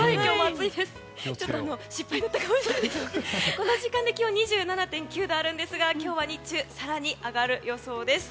この時間で気温が２７．９度あるんですが今日は日中更に上がる予想です。